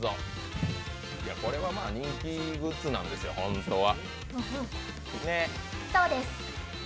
これは人気グッズなんですよ、本当は。